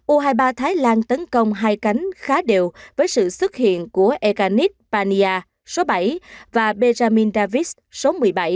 u hai mươi ba thái lan tấn công hai cánh khá đều với sự xuất hiện của ekanit pania số bảy và benjamin davis số một mươi bảy